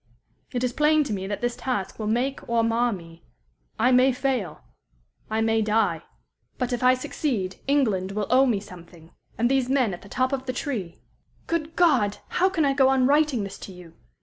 It is plain to me that this task will make or mar me. I may fail. I may die. But if I succeed England will owe me something, and these men at the top of the tree "Good God! how can I go on writing this to you?